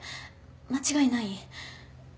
間違いない？